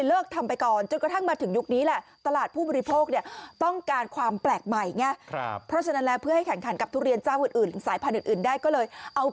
เออมันลื่นมือเรื่อย